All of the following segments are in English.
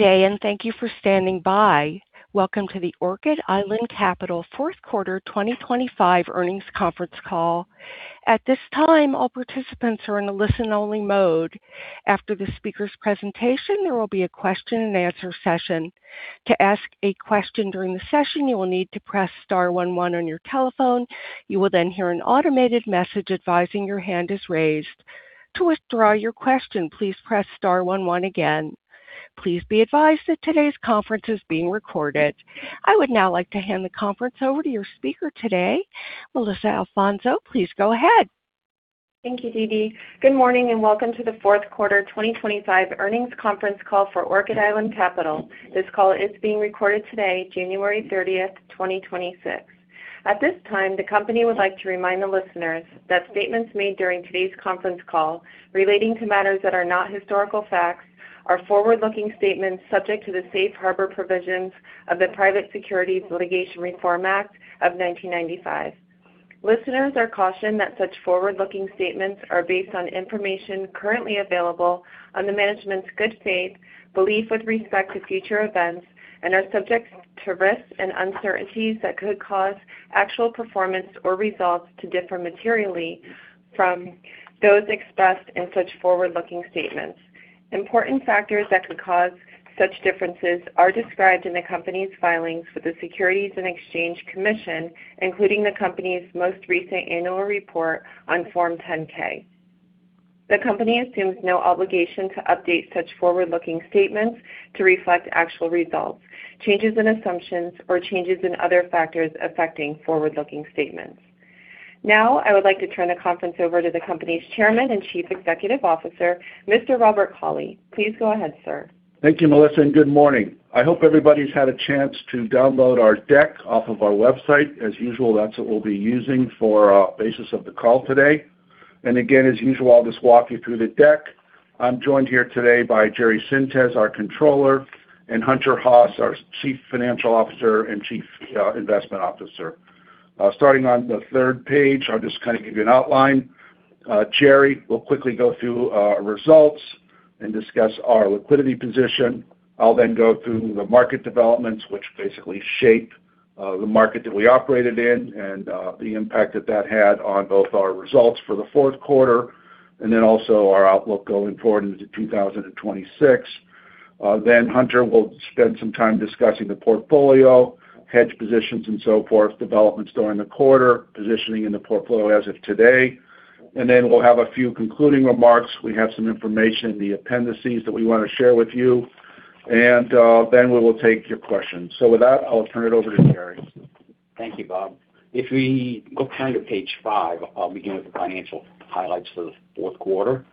day, and thank you for standing by. Welcome to the Orchid Island Capital Fourth Quarter 2025 Earnings Conference Call. At this time, all participants are in a listen-only mode. After the speaker's presentation, there will be a question-and-answer session. To ask a question during the session, you will need to press star one one on your telephone. You will then hear an automated message advising your hand is raised. To withdraw your question, please press star one one again. Please be advised that today's conference is being recorded. I would now like to hand the conference over to your speaker today, Melissa Alfonso. Please go ahead. Thank you, Dee Dee. Good morning, and welcome to the fourth quarter 2025 earnings conference call for Orchid Island Capital. This call is being recorded today, January 30th, 2026. At this time, the company would like to remind the listeners that statements made during today's conference call relating to matters that are not historical facts are forward-looking statements subject to the Safe Harbor provisions of the Private Securities Litigation Reform Act of 1995. Listeners are cautioned that such forward-looking statements are based on information currently available on the management's good faith, belief with respect to future events, and are subject to risks and uncertainties that could cause actual performance or results to differ materially from those expressed in such forward-looking statements. Important factors that could cause such differences are described in the company's filings with the Securities and Exchange Commission, including the company's most recent annual report on Form 10-K. The company assumes no obligation to update such forward-looking statements to reflect actual results, changes in assumptions or changes in other factors affecting forward-looking statements. Now, I would like to turn the conference over to the company's Chairman and Chief Executive Officer, Mr. Robert Cauley. Please go ahead, sir. Thank you, Melissa, and good morning. I hope everybody's had a chance to download our deck off of our website. As usual, that's what we'll be using for basis of the call today. And again, as usual, I'll just walk you through the deck. I'm joined here today by Jerry Sintes, our controller, and Hunter Haas, our Chief Financial Officer and Chief Investment Officer. Starting on the third page, I'll just kind of give you an outline. Jerry will quickly go through our results and discuss our liquidity position. I'll then go through the market developments, which basically shape the market that we operated in and the impact that that had on both our results for the fourth quarter and then also our outlook going forward into 2026. Then Hunter will spend some time discussing the portfolio, hedge positions and so forth, developments during the quarter, positioning in the portfolio as of today. And then we'll have a few concluding remarks. We have some information in the appendices that we want to share with you, and then we will take your questions. So with that, I'll turn it over to Jerry. Thank you, Bob. If we go kind of page five, I'll begin with the financial highlights for the fourth quarter.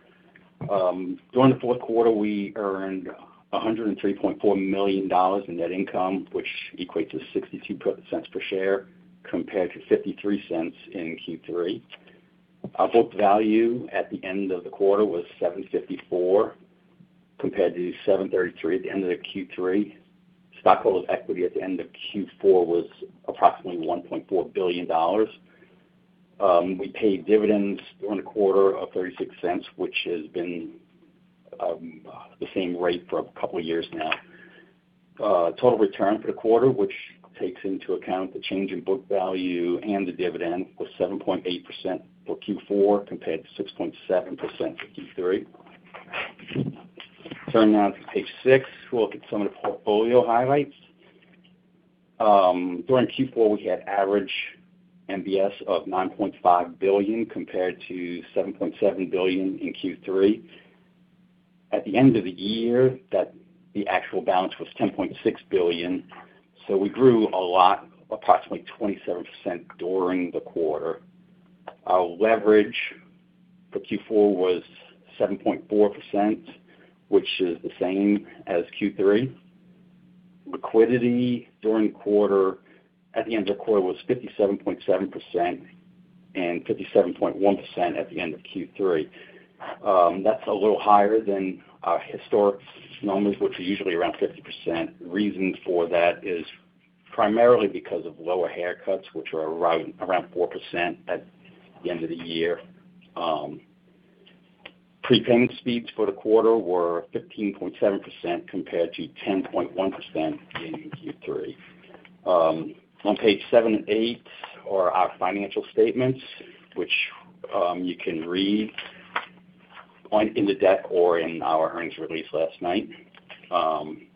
During the fourth quarter, we earned $103.4 million in net income, which equates to $0.62 per share, compared to $0.53 in Q3. Our book value at the end of the quarter was $7.54, compared to $7.33 at the end of the Q3. Stockholder equity at the end of Q4 was approximately $1.4 billion. We paid dividends during the quarter of $0.36, which has been the same rate for a couple of years now. Total return for the quarter, which takes into account the change in book value and the dividend, was 7.8% for Q4, compared to 6.7% for Q3. Turning now to page six, we'll look at some of the portfolio highlights. During Q4, we had average MBS of $9.5 billion, compared to $7.7 billion in Q3. At the end of the year, that the actual balance was $10.6 billion, so we grew a lot, approximately 27% during the quarter. Our leverage for Q4 was 7.4%, which is the same as Q3. Liquidity during the quarter, at the end of the quarter, was 57.7% and 57.1% at the end of Q3. That's a little higher than our historic numbers, which are usually around 50%. Reason for that is primarily because of lower haircuts, which are around 4% at the end of the year. Prepayment speeds for the quarter were 15.7%, compared to 10.1% in Q3. On page seven and eight are our financial statements, which you can read on in the deck or in our earnings release last night. Now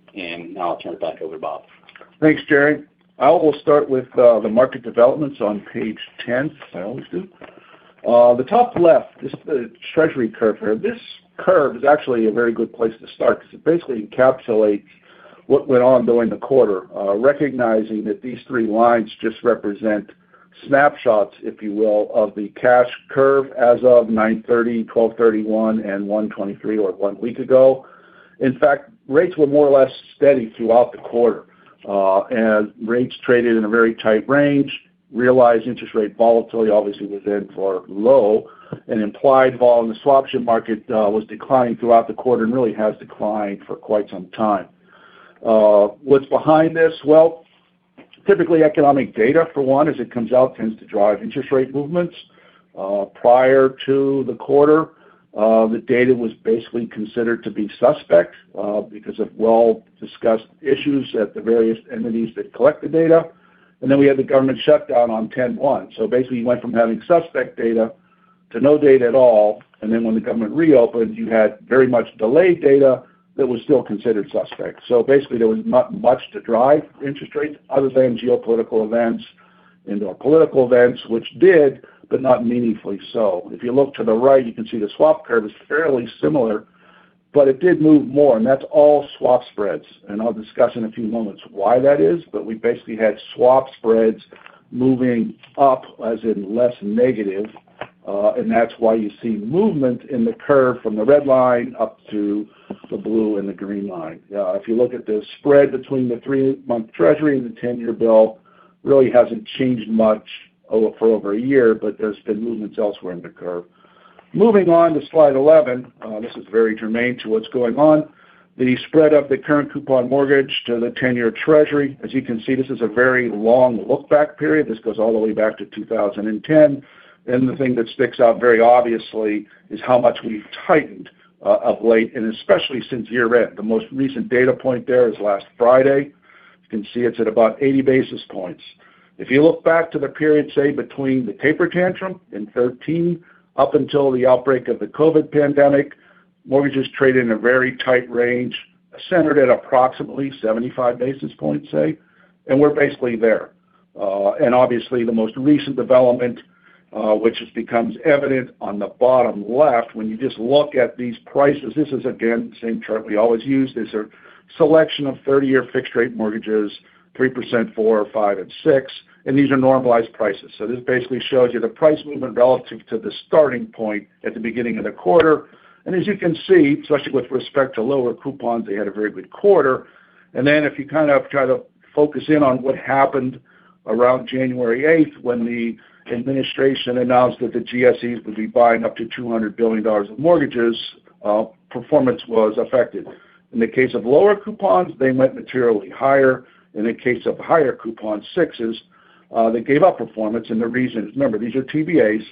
I'll turn it back over to Bob. Thanks, Jerry. I will start with the market developments on page 10, as I always do. The top left, this is the Treasury curve here. This curve is actually a very good place to start because it basically encapsulates what went on during the quarter. Recognizing that these three lines just represent snapshots, if you will, of the cash curve as of 9/30, 12/31, and 1/23, or one week ago. In fact, rates were more or less steady throughout the quarter, and rates traded in a very tight range. Realized interest rate volatility obviously was very low, and implied vol in the swaption market was declining throughout the quarter and really has declined for quite some time. What's behind this? Well, typically, economic data, for one, as it comes out, tends to drive interest rate movements. Prior to the quarter, the data was basically considered to be suspect because of well-discussed issues at the various entities that collect the data. And then we had the government shutdown on 10/1. So basically, you went from having suspect data to no data at all, and then when the government reopened, you had very much delayed data that was still considered suspect. So basically, there was not much to drive interest rates other than geopolitical events and or political events, which did, but not meaningfully so. If you look to the right, you can see the swap curve is fairly similar, but it did move more, and that's all swap spreads. I'll discuss in a few moments why that is, but we basically had swap spreads moving up, as in less negative, and that's why you see movement in the curve from the red line up to the blue and the green line. If you look at the spread between the three-month Treasury and the ten-year bill, really hasn't changed much for over a year, but there's been movements elsewhere in the curve. Moving on to slide 11, this is very germane to what's going on. The spread of the current coupon mortgage to the ten-year Treasury. As you can see, this is a very long look-back period. This goes all the way back to 2010. And the thing that sticks out very obviously is how much we've tightened, of late, and especially since year-end. The most recent data point there is last Friday. You can see it's at about 80 basis points. If you look back to the period, say, between the taper tantrum in 2013 up until the outbreak of the COVID pandemic, mortgages traded in a very tight range, centered at approximately 75 basis points, say, and we're basically there. And obviously, the most recent development, which has become evident on the bottom left, when you just look at these prices, this is, again, same chart we always use. These are selection of 30-year fixed-rate mortgages, 3%, 4%, 5%, and 6%, and these are normalized prices. So this basically shows you the price movement relative to the starting point at the beginning of the quarter. And as you can see, especially with respect to lower coupons, they had a very good quarter. Then if you kind of try to focus in on what happened around January eighth, when the administration announced that the GSEs would be buying up to $200 billion of mortgages, performance was affected. In the case of lower coupons, they went materially higher. In the case of higher coupon 6s, they gave up performance. And the reason, remember, these are TBAs,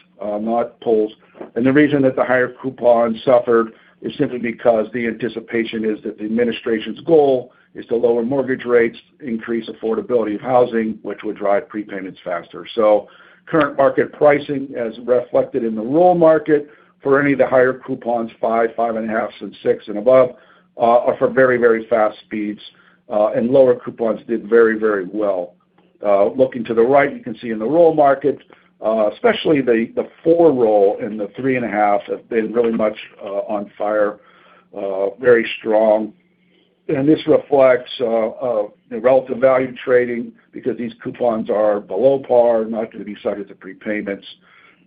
not pools. And the reason that the higher coupon suffered is simply because the anticipation is that the administration's goal is to lower mortgage rates, increase affordability of housing, which would drive prepayments faster. So current market pricing, as reflected in the futures market for any of the higher coupons, 5, 5.5, and 6 and above, are for very, very fast speeds, and lower coupons did very, very well. Looking to the right, you can see in the TBA market, especially the 4 roll and the 3.5 have been really much on fire, very strong. And this reflects the relative value trading because these coupons are below par, not going to be subject to prepayments,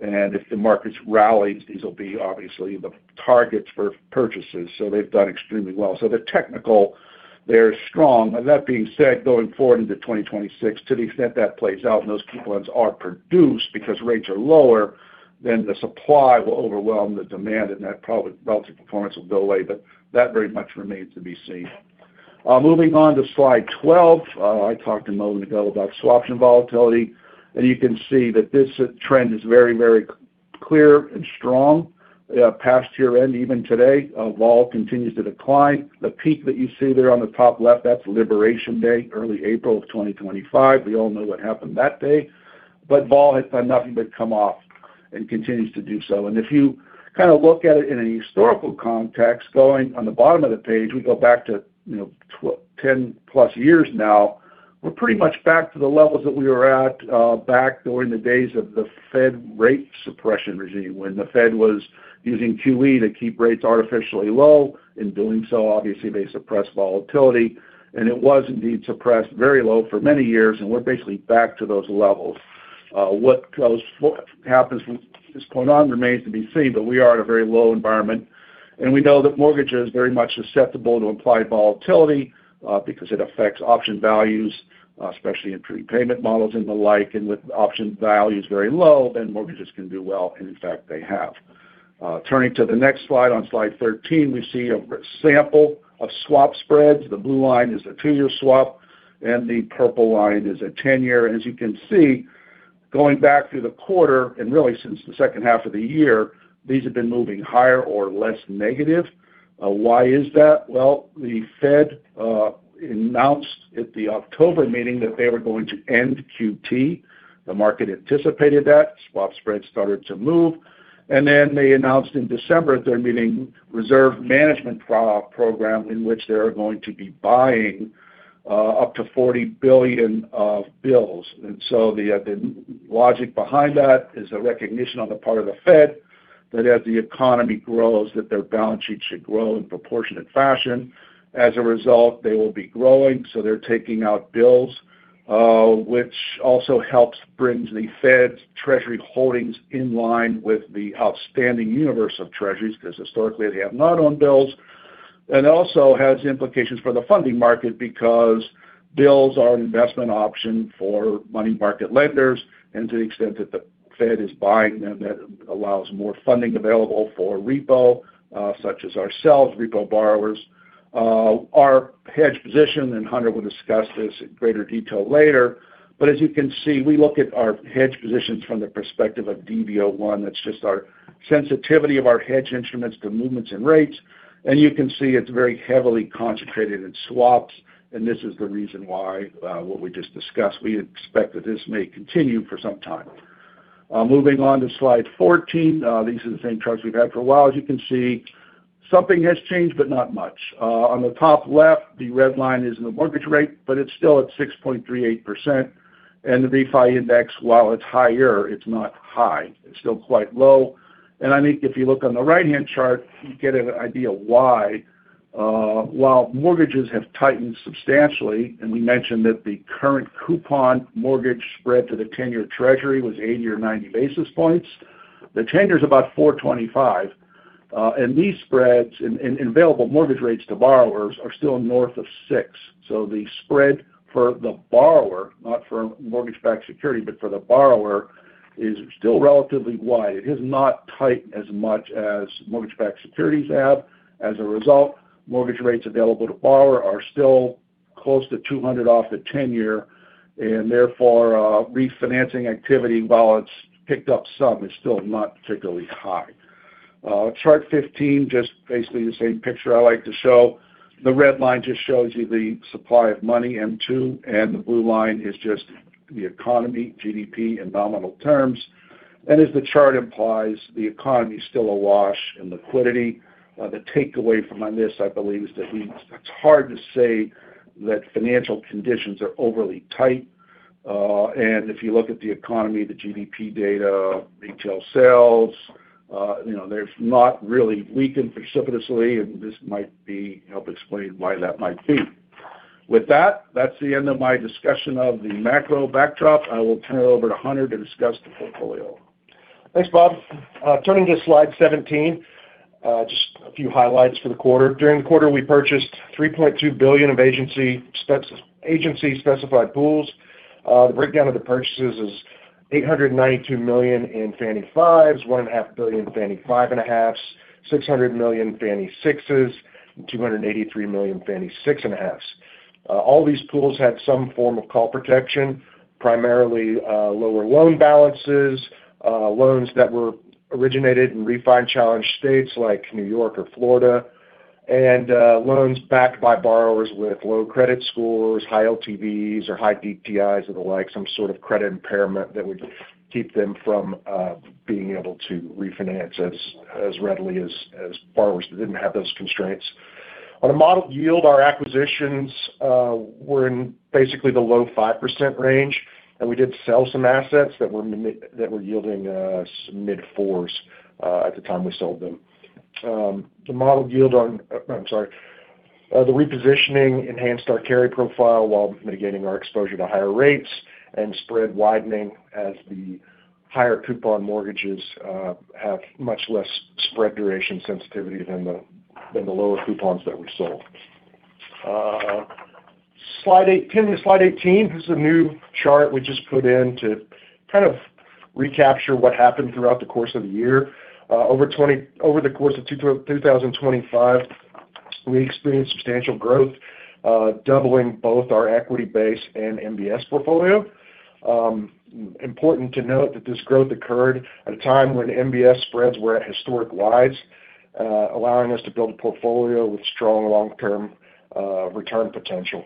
and if the markets rally, these will be obviously the targets for purchases. So they've done extremely well. So the technical, they're strong. That being said, going forward into 2026, to the extent that plays out and those coupons are produced because rates are lower than the supply will overwhelm the demand, and that probably relative performance will go away, but that very much remains to be seen. Moving on to slide 12. I talked a moment ago about swaption volatility, and you can see that this trend is very, very clear and strong past year-end, even today, vol continues to decline. The peak that you see there on the top left, that's Liberation Day, early April of 2025. We all know what happened that day, but vol has done nothing but come off and continues to do so. And if you kind of look at it in a historical context, going on the bottom of the page, we go back to, you know, 10+ years now. We're pretty much back to the levels that we were at back during the days of the Fed rate suppression regime, when the Fed was using QE to keep rates artificially low. In doing so, obviously, they suppressed volatility, and it was indeed suppressed very low for many years, and we're basically back to those levels. What happens from this point on remains to be seen, but we are at a very low environment, and we know that mortgage is very much susceptible to implied volatility, because it affects option values, especially in prepayment models and the like. And with option values very low, then mortgages can do well, and in fact, they have. Turning to the next slide, on slide 13, we see a sample of swap spreads. The blue line is a two-year swap, and the purple line is a ten-year. And as you can see, going back through the quarter, and really since the second half of the year, these have been moving higher or less negative. Why is that? Well, the Fed announced at the October meeting that they were going to end QT. The market anticipated that, swap spreads started to move, and then they announced in December at their meeting, reserve management program, in which they are going to be buying up to $40 billion of bills. And so the logic behind that is a recognition on the part of the Fed that as the economy grows, that their balance sheet should grow in proportionate fashion. As a result, they will be growing, so they're taking out bills, which also helps brings the Fed's Treasury holdings in line with the outstanding universe of Treasuries, because historically, they have not owned bills. It also has implications for the funding market because bills are an investment option for money market lenders, and to the extent that the Fed is buying them, that allows more funding available for repo, such as ourselves, repo borrowers. Our hedge position, and Hunter will discuss this in greater detail later. But as you can see, we look at our hedge positions from the perspective of DV01. That's just our sensitivity of our hedge instruments to movements and rates. And you can see it's very heavily concentrated in swaps, and this is the reason why, what we just discussed, we expect that this may continue for some time. Moving on to slide 14, these are the same charts we've had for a while. As you can see, something has changed, but not much. On the top left, the red line is in the mortgage rate, but it's still at 6.38%. The refi index, while it's higher, it's not high. It's still quite low. I think if you look on the right-hand chart, you get an idea why. While mortgages have tightened substantially, and we mentioned that the current coupon mortgage spread to the 10-year Treasury was 80 or 90 basis points, the 10-year is about 4.25. These spreads and available mortgage rates to borrowers are still north of 6. So the spread for the borrower, not for mortgage-backed security, but for the borrower, is still relatively wide. It has not tightened as much as mortgage-backed securities have. As a result, mortgage rates available to borrowers are still close to 200 off the 10-year, and therefore, refinancing activity, while it's picked up some, is still not particularly high. Chart 15, just basically the same picture I like to show. The red line just shows you the supply of money, M2, and the blue line is just the economy, GDP, in nominal terms. As the chart implies, the economy is still awash in liquidity. The takeaway from this, I believe, is that it's hard to say that financial conditions are overly tight. If you look at the economy, the GDP data, retail sales, you know, they've not really weakened precipitously, and this might help explain why that might be. With that, that's the end of my discussion of the macro backdrop. I will turn it over to Hunter to discuss the portfolio. Thanks, Bob. Turning to slide 17, just a few highlights for the quarter. During the quarter, we purchased $3.2 billion of agency specified pools. The breakdown of the purchases is $892 million in Fannie 5s, $1.5 billion Fannie five and a halves, $600 million Fannie 6s, and $283 million Fannie six and a halves. All these pools had some form of call protection, primarily lower loan balances, loans that were originated in refi-challenged states like New York or Florida, and loans backed by borrowers with low credit scores, high LTVs or high DTIs or the like, some sort of credit impairment that would keep them from being able to refinance as readily as borrowers that didn't have those constraints. On a modeled yield, our acquisitions were in basically the low 5% range, and we did sell some assets that were yielding mid-4s at the time we sold them. The repositioning enhanced our carry profile while mitigating our exposure to higher rates and spread widening as the higher coupon mortgages have much less spread duration sensitivity than the lower coupons that we sold. Turning to slide 18, this is a new chart we just put in to kind of recapture what happened throughout the course of the year. Over the course of 2025, we experienced substantial growth, doubling both our equity base and MBS portfolio. Important to note that this growth occurred at a time when MBS spreads were at historic wides, allowing us to build a portfolio with strong long-term return potential.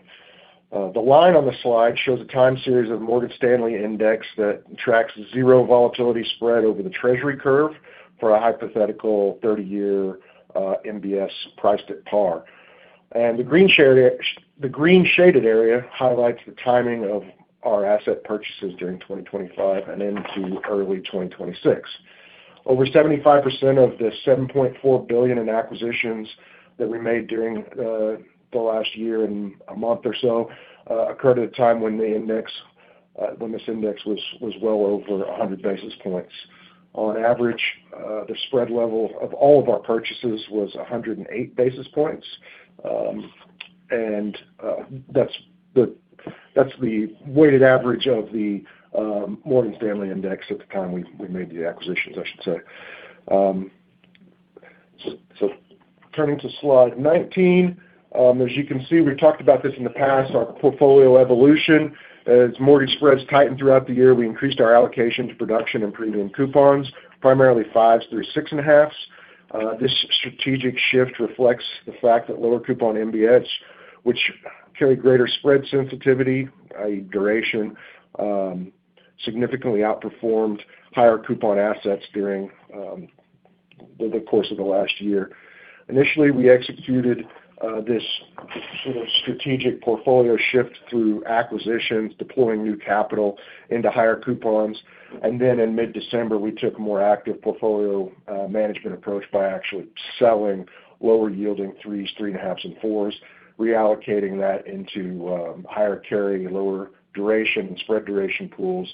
The line on the slide shows a time series of Morgan Stanley index that tracks zero volatility spread over the Treasury curve for a hypothetical 30-year MBS priced at par. The green shaded area highlights the timing of our asset purchases during 2025 and into early 2026. Over 75% of the $7.4 billion in acquisitions that we made during the last year and a month or so occurred at a time when the index when this index was well over 100 basis points. On average, the spread level of all of our purchases was 108 basis points. And that's the weighted average of the Morgan Stanley index at the time we made the acquisitions, I should say. So turning to slide 19, as you can see, we've talked about this in the past, our portfolio evolution. As mortgage spreads tightened throughout the year, we increased our allocation to production and premium coupons, primarily 5s-6.5s. This strategic shift reflects the fact that lower coupon MBS, which carry greater spread sensitivity, i.e., duration, significantly outperformed higher coupon assets during the course of the last year. Initially, we executed this sort of strategic portfolio shift through acquisitions, deploying new capital into higher coupons. Then in mid-December, we took a more active portfolio management approach by actually selling lower-yielding 3s, 3.5s, and 4s, reallocating that into higher carry, lower duration and spread duration pools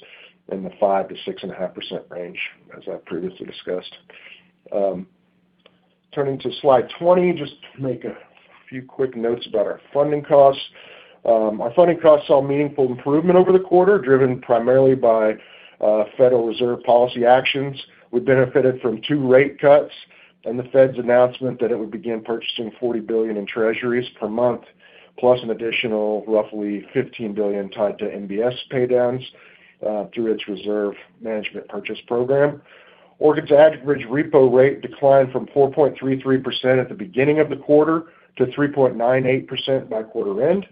in the 5%-6.5% range, as I previously discussed. Turning to slide 20, just to make a few quick notes about our funding costs. Our funding costs saw meaningful improvement over the quarter, driven primarily by Federal Reserve policy actions. We benefited from two rate cuts and the Fed's announcement that it would begin purchasing $40 billion in Treasuries per month, plus an additional roughly $15 billion tied to MBS paydowns through its reserve management purchase program. Orchid's average repo rate declined from 4.33% at the beginning of the quarter to 3.98% by quarter end.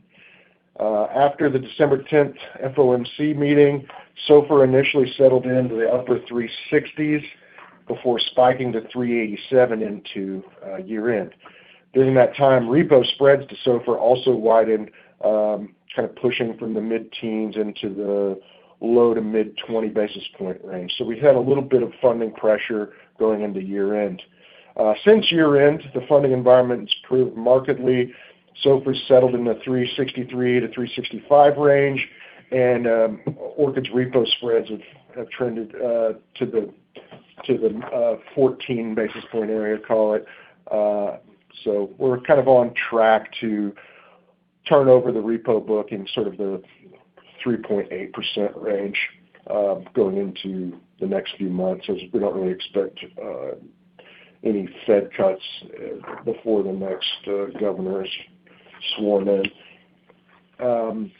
After the December 10 FOMC meeting, SOFR initially settled into the upper 3.60s before spiking to 3.87% into year-end. During that time, repo spreads to SOFR also widened, kind of pushing from the mid-teens into the low- to mid-20 basis point range. So we had a little bit of funding pressure going into year-end. Since year-end, the funding environment has improved markedly. SOFR settled in the 3.63%-3.65% range, and Orchid's repo spreads have trended to the 14 basis point area, call it. So we're kind of on track to turn over the repo book in sort of the 3.8% range, going into the next few months, as we don't really expect any Fed cuts before the next governor is sworn in.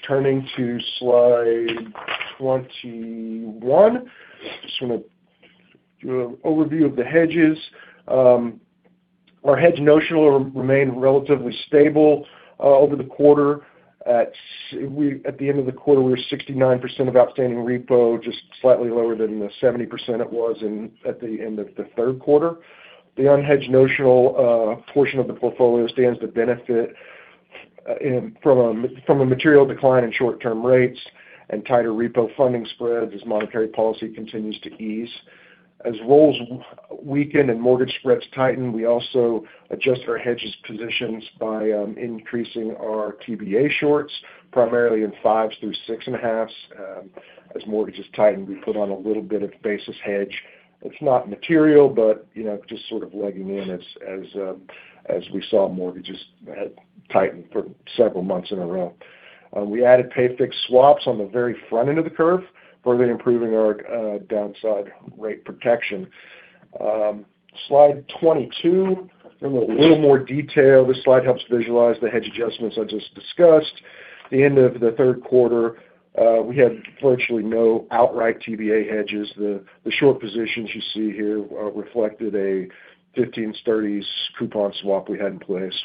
Turning to slide 21. Just want to do an overview of the hedges. Our hedge notional remained relatively stable over the quarter. At the end of the quarter, we were 69% of outstanding repo, just slightly lower than the 70% it was at the end of the third quarter. The unhedged notional portion of the portfolio stands to benefit from a material decline in short-term rates and tighter repo funding spreads as monetary policy continues to ease. As rolls weaken and mortgage spreads tighten, we also adjust our hedges positions by increasing our TBA shorts, primarily in 5s through 6.5s. As mortgages tighten, we put on a little bit of basis hedge. It's not material, but, you know, just sort of legging in as we saw mortgages tighten for several months in a row. We added pay-fixed swaps on the very front end of the curve, further improving our downside rate protection. Slide 22, in a little more detail. This slide helps visualize the hedge adjustments I just discussed. The end of the third quarter, we had virtually no outright TBA hedges. The short positions you see here reflected a 15/30s coupon swap we had in place,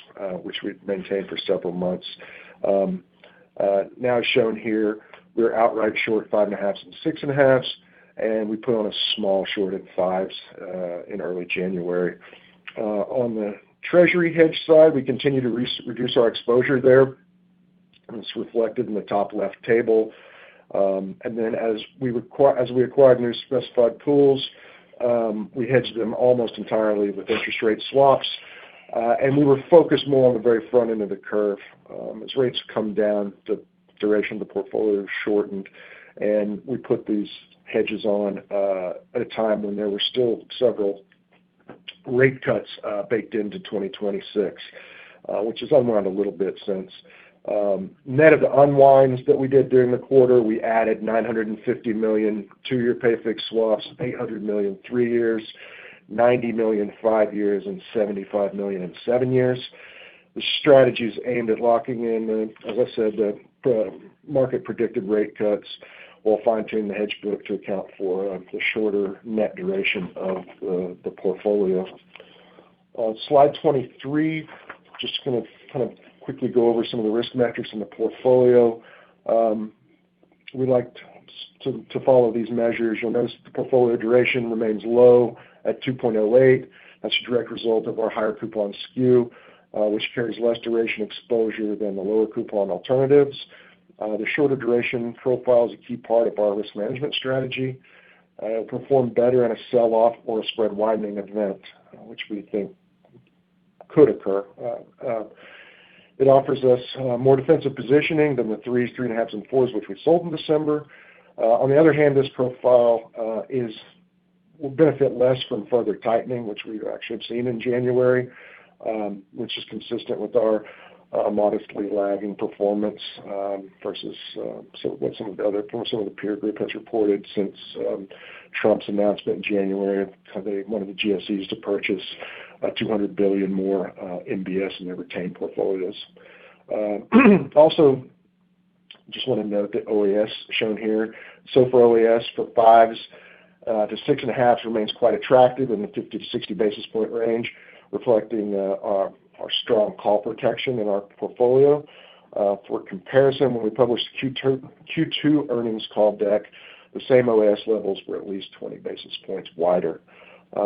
which we'd maintained for several months. Now shown here, we're outright short 5.5s and 6.5s, and we put on a small short in 5s in early January. On the Treasury hedge side, we continue to reduce our exposure there, and it's reflected in the top left table. And then as we acquired new specified pools, we hedged them almost entirely with interest rate swaps. And we were focused more on the very front end of the curve. As rates come down, the duration of the portfolio shortened, and we put these hedges on at a time when there were still several rate cuts baked into 2026, which has unwound a little bit since. Net of the unwinds that we did during the quarter, we added $950 million two-year pay-fixed swaps, $800 million three-year, $90 million five-year, and $75 million in seven-year. The strategy is aimed at locking in the, as I said, the market-predicted rate cuts while fine-tuning the hedge book to account for the shorter net duration of the portfolio. On slide 23, just gonna kind of quickly go over some of the risk metrics in the portfolio. We like to follow these measures. You'll notice the portfolio duration remains low at 2.08. That's a direct result of our higher coupon skew, which carries less duration exposure than the lower coupon alternatives. The shorter duration profile is a key part of our risk management strategy. It performed better in a sell-off or a spread widening event, which we think could occur. It offers us more defensive positioning than the 3s, 3.5s, and 4s, which we sold in December. On the other hand, this profile will benefit less from further tightening, which we've actually have seen in January, which is consistent with our modestly lagging performance versus some of the peer group has reported since Trump's announcement in January, how they wanted the GSEs to purchase $200 billion more MBS in their retained portfolios. Also, just want to note the OAS shown here. So for OAS, for 5s to 6.5s remains quite attractive in the 50-60 basis point range, reflecting our strong call protection in our portfolio. For comparison, when we published Q2 earnings call deck, the same OAS levels were at least 20 basis points wider.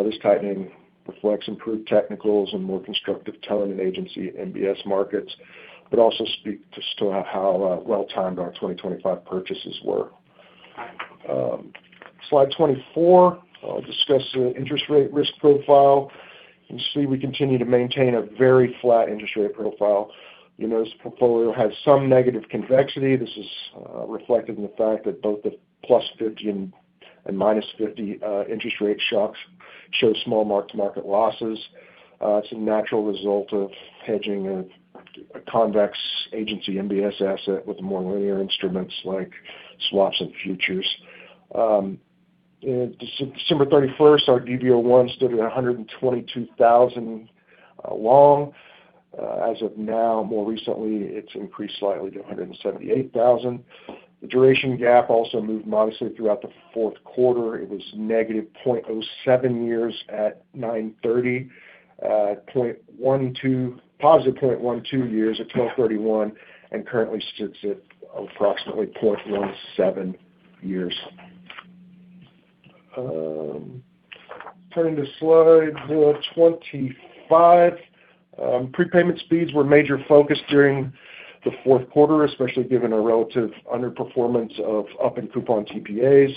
This tightening reflects improved technicals and more constructive tone in agency MBS markets, but also speak to how well-timed our 2025 purchases were. Slide 24, I'll discuss the interest rate risk profile. You can see we continue to maintain a very flat interest rate profile. You'll notice the portfolio has some negative convexity. This is reflected in the fact that both the +50 and -50 interest rate shocks show small mark-to-market losses. It's a natural result of hedging a convex agency MBS asset with more linear instruments like swaps and futures. December 31st, our DV01 stood at 122,000 long. As of now, more recently, it's increased slightly to 178,000. The duration gap also moved modestly throughout the fourth quarter. It was -0.07 years at 9:30, +0.12 years at 12:31, and currently sits at approximately 0.17 years. Turning to slide 425. Prepayment speeds were a major focus during the fourth quarter, especially given our relative underperformance of up-in-coupon TBAs.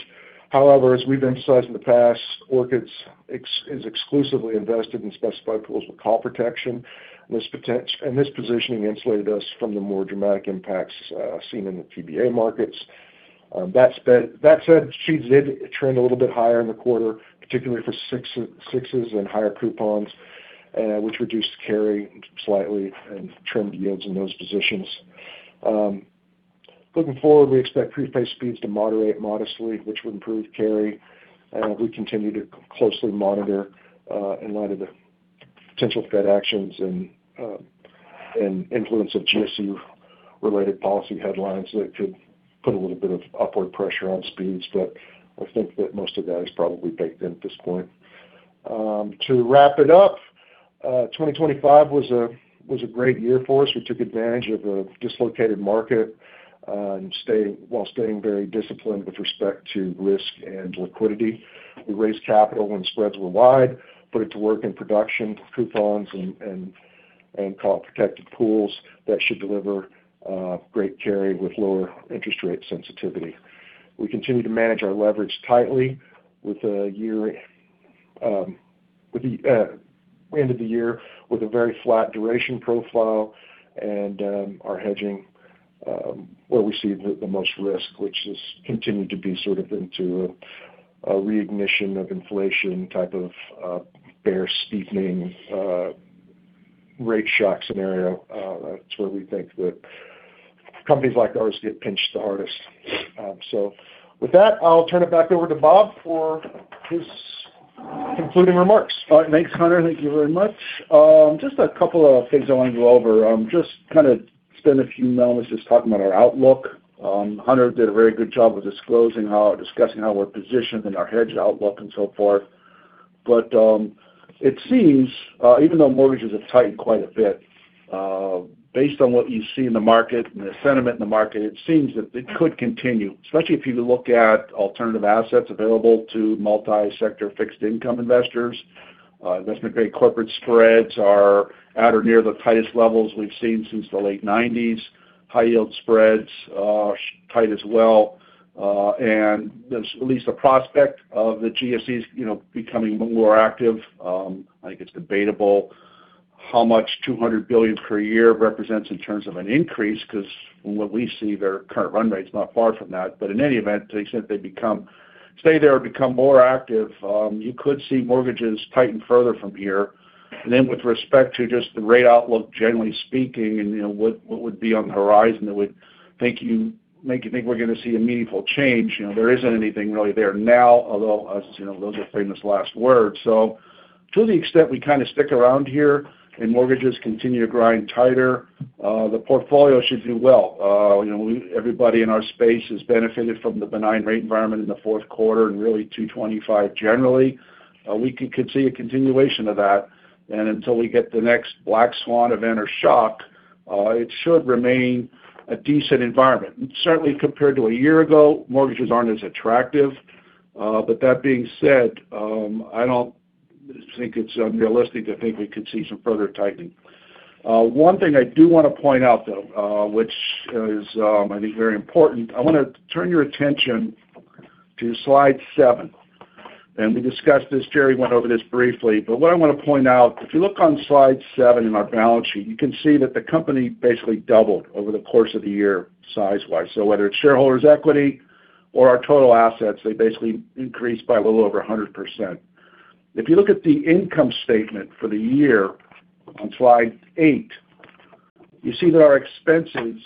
However, as we've emphasized in the past, Orchid's assets are exclusively invested in specified pools with call protection. And this positioning insulated us from the more dramatic impacts seen in the TBA markets. That said, speeds did trend a little bit higher in the quarter, particularly for sixes, sixes and higher coupons, which reduced carry slightly and trimmed yields in those positions. Looking forward, we expect prepay speeds to moderate modestly, which would improve carry, and we continue to closely monitor, in light of the potential Fed actions and influence of GSE-related policy headlines that could put a little bit of upward pressure on speeds. But I think that most of that is probably baked in at this point. To wrap it up, 2025 was a great year for us. We took advantage of a dislocated market, and while staying very disciplined with respect to risk and liquidity. We raised capital when spreads were wide, put it to work in production coupons, and call protected pools that should deliver great carry with lower interest rate sensitivity. We continue to manage our leverage tightly with the end of the year, with a very flat duration profile and our hedging where we see the most risk, which has continued to be sort of into a reignition of inflation type of bear steepening rate shock scenario. That's where we think that companies like ours get pinched the hardest. So with that, I'll turn it back over to Bob for his concluding remarks. All right, thanks, Hunter. Thank you very much. Just a couple of things I want to go over. Just kind of spend a few moments just talking about our outlook. Hunter did a very good job of disclosing how, discussing how we're positioned and our hedge outlook and so forth. But it seems, even though mortgages have tightened quite a bit, based on what you see in the market and the sentiment in the market, it seems that it could continue, especially if you look at alternative assets available to multi-sector fixed income investors. Investment-grade corporate spreads are at or near the tightest levels we've seen since the late nineties. High yield spreads are tight as well, and there's at least a prospect of the GSEs, you know, becoming more active. I think it's debatable how much $200 billion per year represents in terms of an increase, because from what we see, their current run rate is not far from that. But in any event, to the extent they become, stay there or become more active, you could see mortgages tighten further from here. And then with respect to just the rate outlook, generally speaking, and, you know, what, what would be on the horizon that would make you, make you think we're going to see a meaningful change, you know, there isn't anything really there now, although, as you know, those are famous last words. So to the extent we kind of stick around here and mortgages continue to grind tighter, the portfolio should do well. You know, everybody in our space has benefited from the benign rate environment in the fourth quarter and really 2025 generally. We could see a continuation of that. And until we get the next black swan event or shock, it should remain a decent environment. Certainly, compared to a year ago, mortgages aren't as attractive. But that being said, I don't think it's unrealistic to think we could see some further tightening. One thing I do want to point out, though, which is, I think very important, I want to turn your attention to slide seven. And we discussed this, Jerry went over this briefly, but what I want to point out, if you look on slide seven in our balance sheet, you can see that the company basically doubled over the course of the year, size-wise. So whether it's shareholders' equity or our total assets, they basically increased by a little over 100%. If you look at the income statement for the year on slide eight, you see that our expenses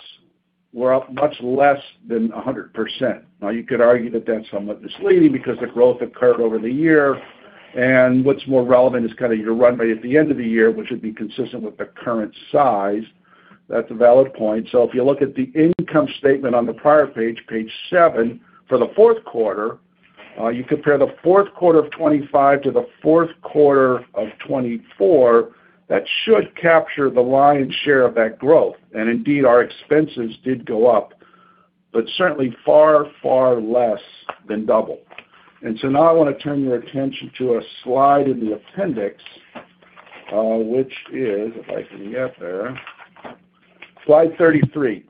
were up much less than 100%. Now, you could argue that that's somewhat misleading because the growth occurred over the year, and what's more relevant is kind of your run rate at the end of the year, which would be consistent with the current size. That's a valid point. So if you look at the income statement on the prior page, page seven, for the fourth quarter, you compare the fourth quarter of 2025 to the fourth quarter of 2024, that should capture the lion's share of that growth. And indeed, our expenses did go up, but certainly far, far less than double. And so now I want to turn your attention to a slide in the appendix, which is, if I can get there, slide 33.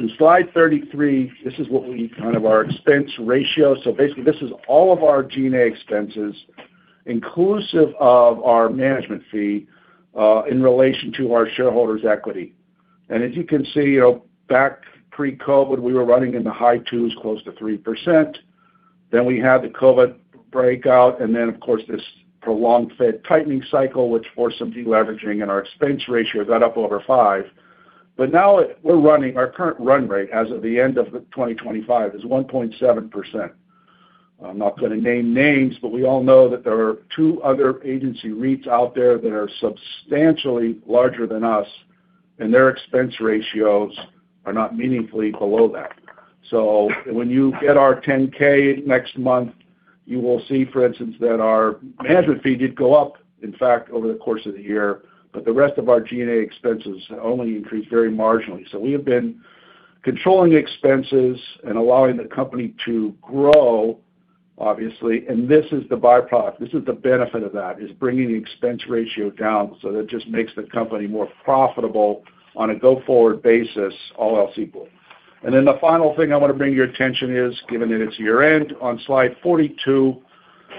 In slide 33, this is what we, kind of our expense ratio. So basically, this is all of our G&A expenses, inclusive of our management fee, in relation to our shareholders' equity. And as you can see, you know, back pre-COVID, we were running in the high 2s, close to 3%. Then we had the COVID breakout, and then, of course, this prolonged Fed tightening cycle, which forced some de-leveraging, and our expense ratio got up over 5%. But now we're running, our current run rate as of the end of 2025 is 1.7%. I'm not going to name names, but we all know that there are two other agency REITs out there that are substantially larger than us, and their expense ratios are not meaningfully below that. So when you get our 10-K next month, you will see, for instance, that our management fee did go up, in fact, over the course of the year, but the rest of our G&A expenses only increased very marginally. So we have been controlling expenses and allowing the company to grow, obviously, and this is the byproduct. This is the benefit of that, is bringing the expense ratio down. So that just makes the company more profitable on a go-forward basis, all else equal. And then the final thing I want to bring your attention is, given that it's year-end, on slide 42,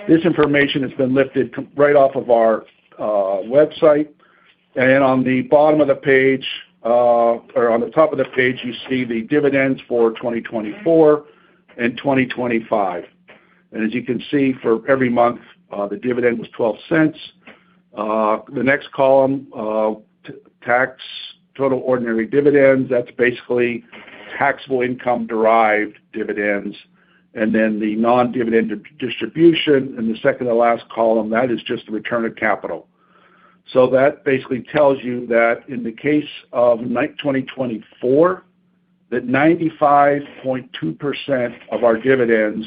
this information has been lifted right off of our website. On the bottom of the page, or on the top of the page, you see the dividends for 2024 and 2025. As you can see, for every month, the dividend was $0.12. The next column, tax, total ordinary dividends, that's basically taxable income-derived dividends, and then the non-dividend distribution, and the second to last column, that is just the return of capital. That basically tells you that in the case of 2024, 95.2% of our dividends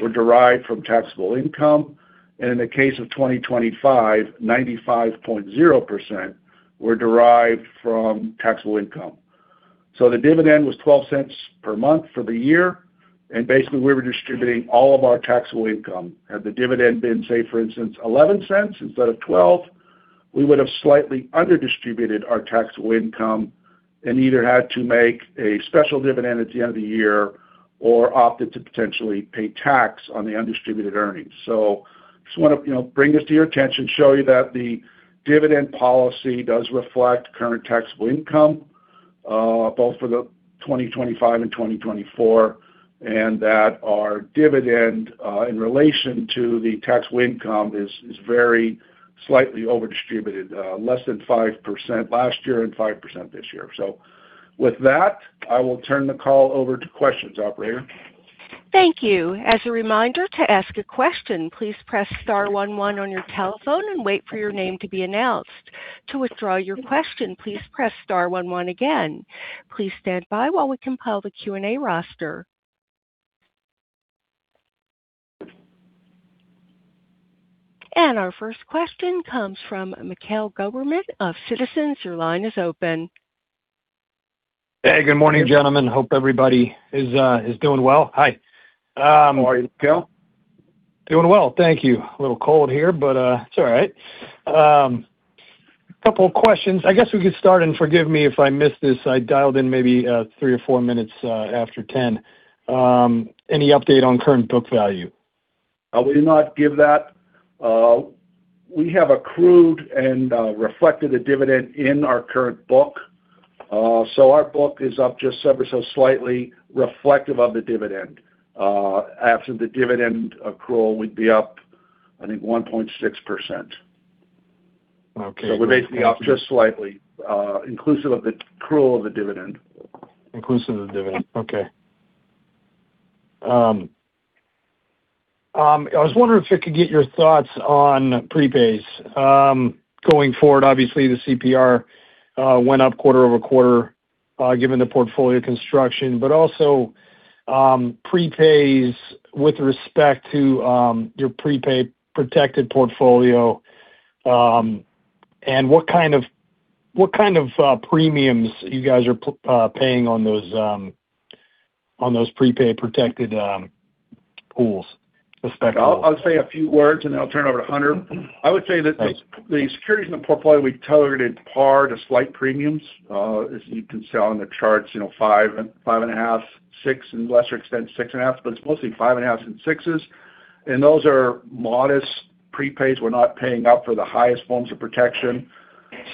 were derived from taxable income, and in the case of 2025, 95.0% were derived from taxable income. The dividend was $0.12 per month for the year, and basically, we were distributing all of our taxable income. Had the dividend been, say, for instance, $0.11 instead of $0.12, we would have slightly underdistributed our taxable income and either had to make a special dividend at the end of the year or opted to potentially pay tax on the undistributed earnings. So just want to, you know, bring this to your attention, show you that the dividend policy does reflect current taxable income, both for the 2025 and 2024, and that our dividend, in relation to the taxable income is very slightly overdistributed, less than 5% last year and 5% this year. So with that, I will turn the call over to questions, operator. Thank you. As a reminder, to ask a question, please press star one one on your telephone and wait for your name to be announced. To withdraw your question, please press star one one again. Please stand by while we compile the Q&A roster. Our first question comes from Mikhail Goberman of Citizens. Your line is open. Hey, good morning, gentlemen. Hope everybody is doing well. Hi. How are you, Mikhail? Doing well, thank you. A little cold here, but it's all right. Couple of questions. I guess we could start, and forgive me if I missed this. I dialed in maybe three or four minutes after ten. Any update on current book value? We do not give that. We have accrued and reflected the dividend in our current book. So our book is up just ever so slightly reflective of the dividend. After the dividend accrual, we'd be up, I think, 1.6%. Okay. We're basically up just slightly, inclusive of the accrual of the dividend. Inclusive of the dividend. Okay. I was wondering if I could get your thoughts on prepays. Going forward, obviously, the CPR went up quarter-over-quarter, given the portfolio construction, but also, prepays with respect to your prepay-protected portfolio, and what kind of, what kind of, premiums you guys are paying on those, on those prepay-protected pools, respect to? I'll say a few words, and then I'll turn it over to Hunter. Thanks. I would say that the securities in the portfolio, we targeted par to slight premiums. As you can see on the charts, you know, 5, 5.5, 6, and lesser extent, 6.5, but it's mostly 5.5 and 6s. And those are modest prepays. We're not paying up for the highest forms of protection.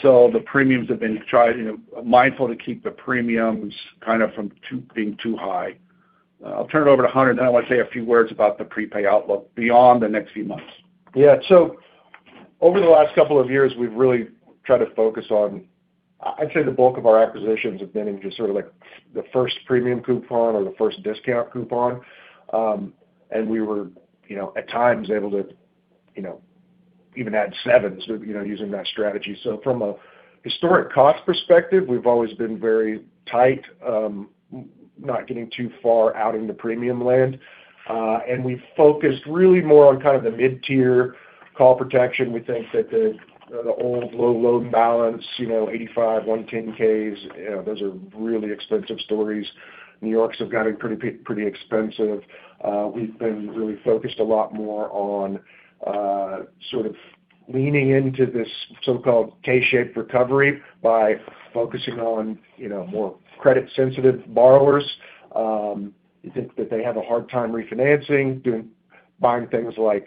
So the premiums have been tried, you know, mindful to keep the premiums kind of from being too high. I'll turn it over to Hunter, and then I want to say a few words about the prepay outlook beyond the next few months. Yeah. So over the last couple of years, we've really tried to focus on, I'd say the bulk of our acquisitions have been in just sort of like the first premium coupon or the first discount coupon. And we were, you know, at times able to, you know, even add sevens, you know, using that strategy. So from a historic cost perspective, we've always been very tight, not getting too far out into premium land. And we've focused really more on kind of the mid-tier call protection. We think that the old low loan balance, you know, 85, 110 Ks, those are really expensive stories. New Yorks have gotten pretty expensive. We've been really focused a lot more on sort of leaning into this so-called K-shaped recovery by focusing on, you know, more credit-sensitive borrowers. We think that they have a hard time refinancing, doing... buying things like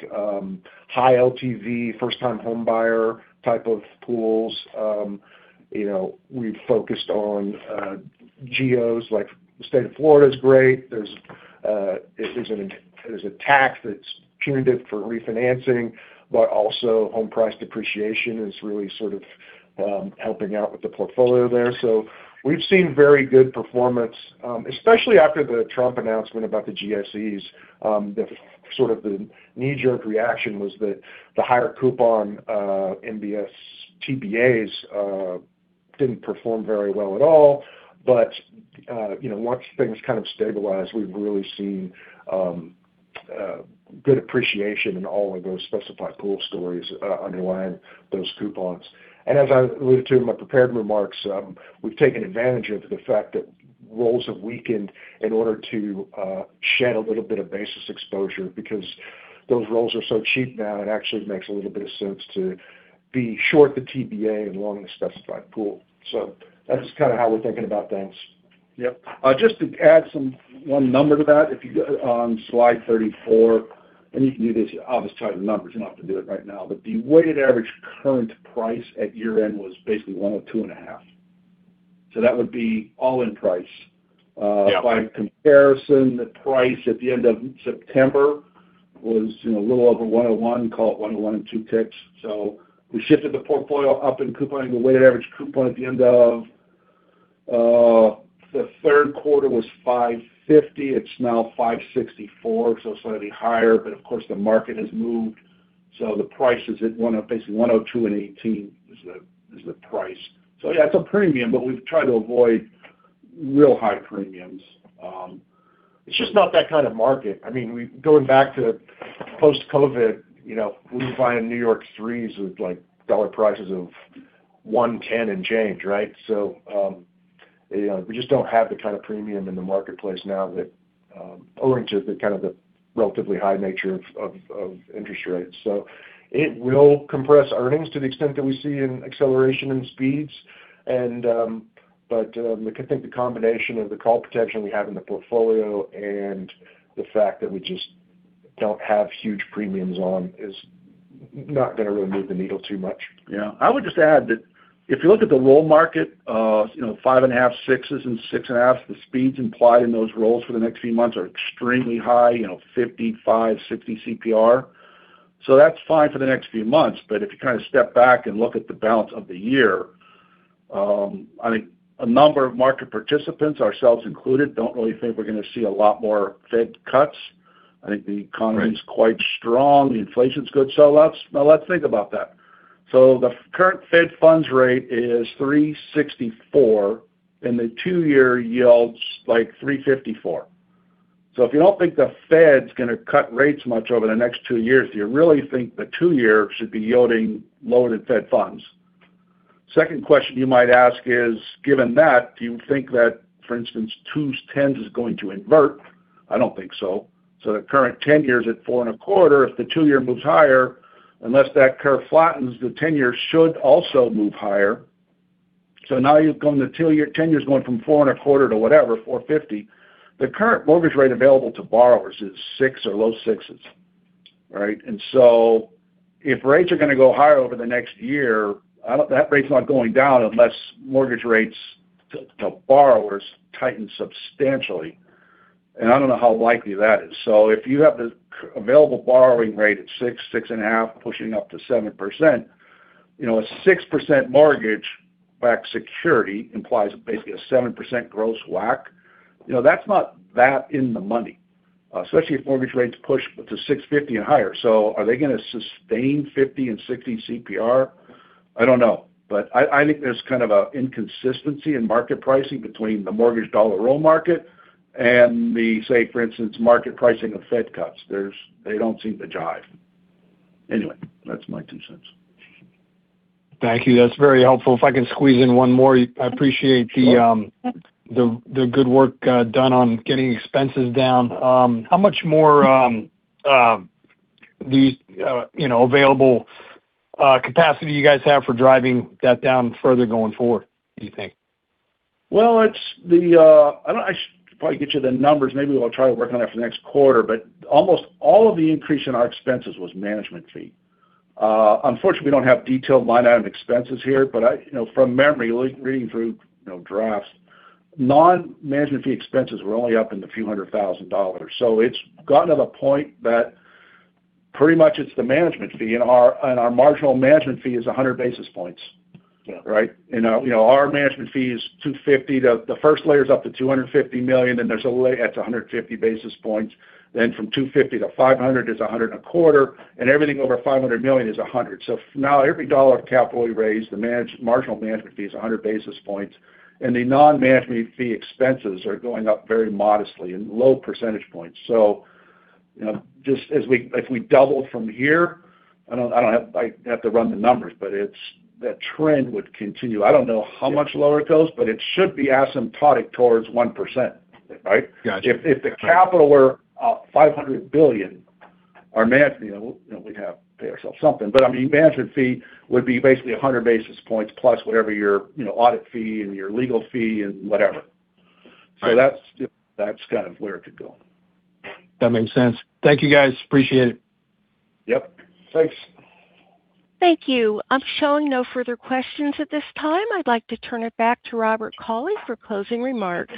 high LTV, first time homebuyer type of pools. You know, we've focused on geos, like the state of Florida is great. There's a tax that's punitive for refinancing, but also home price depreciation is really sort of helping out with the portfolio there. So we've seen very good performance, especially after the Trump announcement about the GSEs. The sort of knee-jerk reaction was that the higher coupon MBS TBAs didn't perform very well at all. But you know, once things kind of stabilized, we've really seen good appreciation in all of those specified pool stories underlying those coupons. As I alluded to in my prepared remarks, we've taken advantage of the fact that rolls have weakened in order to shed a little bit of basis exposure, because those rolls are so cheap now, it actually makes a little bit of sense to be short the TBA and long the specified pool. So that's kind of how we're thinking about things. Yep. Just to add some one number to that, if you go on slide 34, and you can do this, obviously, type of numbers, you don't have to do it right now, but the weighted average current price at year-end was basically $102.5. So that would be all-in price. Yep. By comparison, the price at the end of September was, you know, a little over 101, call it 101 and 2 ticks. So we shifted the portfolio up in couponing. The weighted average coupon at the end of the third quarter was 5.50. It's now 5.64, so slightly higher, but of course, the market has moved, so the price is at 102- basically, 102 and 18 is the, is the price. So yeah, it's a premium, but we've tried to avoid real high premiums. It's just not that kind of market. I mean, we going back to post-COVID, you know, we were buying New York threes with, like, dollar prices of $110 and change, right? So, you know, we just don't have the kind of premium in the marketplace now that, owing to the kind of the relatively high nature of interest rates. So it will compress earnings to the extent that we see an acceleration in speeds. And, but, we could think the combination of the call protection we have in the portfolio and the fact that we just don't have huge premiums on, is not gonna really move the needle too much. Yeah. I would just add that if you look at the roll market, you know, 5.5, 6s, and 6.5, the speeds implied in those rolls for the next few months are extremely high, you know, 55, 60 CPR. So that's fine for the next few months, but if you kind of step back and look at the balance of the year, I think a number of market participants, ourselves included, don't really think we're gonna see a lot more Fed cuts. I think the economy- Right... is quite strong. The inflation's good. So let's, now let's think about that. So the current Fed funds rate is 3.64%, and the two-year yield's like 3.54%. So if you don't think the Fed's gonna cut rates much over the next two years, do you really think the two-year should be yielding lower than Fed funds? Second question you might ask is, given that, do you think that, for instance, 2s10s is going to invert? I don't think so. So the current ten-year is at 4.25%. If the two-year moves higher, unless that curve flattens, the ten-year should also move higher. So now you've gone the two year-ten-year is going from 4.25% to whatever, 4.50%. The current mortgage rate available to borrowers is 6% or low sixes, right? So if rates are gonna go higher over the next year, I don't think that rate's not going down unless mortgage rates to borrowers tighten substantially. And I don't know how likely that is. So if you have the cheapest available borrowing rate at 6, 6.5, pushing up to 7%, you know, a 6% mortgage-backed security implies basically a 7% gross WAC. You know, that's not that in the money, especially if mortgage rates push to 6.5% and higher. So are they gonna sustain 50 and 60 CPR? I don't know, but I think there's kind of an inconsistency in market pricing between the mortgage dollar roll market and the, say, for instance, market pricing of Fed cuts. There's-- They don't seem to jive. Anyway, that's my two cents. Thank you. That's very helpful. If I can squeeze in one more. I appreciate the, Sure.... the good work done on getting expenses down. How much more available capacity you guys have for driving that down further going forward, do you think? Well, it's the, I don't-- I should probably get you the numbers. Maybe we'll try to work on that for the next quarter, but almost all of the increase in our expenses was management fee. Unfortunately, we don't have detailed line item expenses here, but I, you know, from memory, re-reading through, you know, drafts, non-management fee expenses were only up in the few hundred thousand dollars. So it's gotten to the point that pretty much it's the management fee, and our, and our marginal management fee is 100 basis points. Yeah. Right? And, you know, our management fee is 250. The first layer is up to $250 million, and there's a layer at 150 basis points. Then from $250 million to $500 million is 125 basis points, and everything over $500 million is 100 basis points. So now every dollar of capital we raise, the marginal management fee is 100 basis points, and the non-management fee expenses are going up very modestly in low percentage points. So, you know, just as we if we double from here, I don't have—I'd have to run the numbers, but it's that trend would continue. I don't know how much lower it goes, but it should be asymptotic towards 1%, right? Gotcha. If the capital were $500 billion, our management fee, you know, we'd have to pay ourselves something, but, I mean, management fee would be basically 100 basis points plus whatever your, you know, audit fee and your legal fee and whatever. Right. That's, that's kind of where it could go. That makes sense. Thank you, guys. Appreciate it. Yep. Thanks. Thank you. I'm showing no further questions at this time. I'd like to turn it back to Robert Cauley for closing remarks.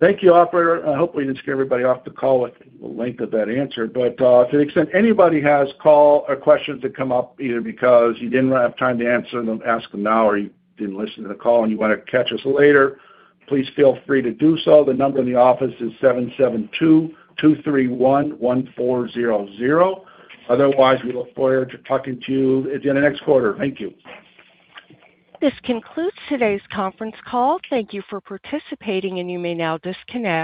Thank you, operator. I hope we didn't scare everybody off the call with the length of that answer, but, to the extent anybody has call or questions that come up, either because you didn't have time to answer them, ask them now, or you didn't listen to the call and you want to catch us later, please feel free to do so. The number in the office is 772-231-1400. Otherwise, we look forward to talking to you again next quarter. Thank you. This concludes today's conference call. Thank you for participating, and you may now disconnect.